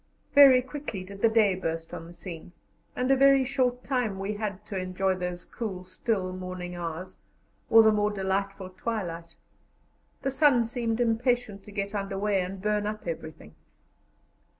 Very quickly did the day burst on the scene, and a very short time we had to enjoy those cool, still morning hours or the more delightful twilight; the sun seemed impatient to get under way and burn up everything.